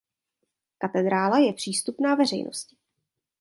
Katedrála je přístupná veřejnosti.